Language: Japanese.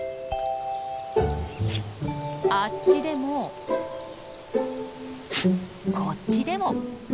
あっちでもこっちでも。